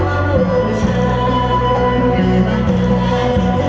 สวัสดี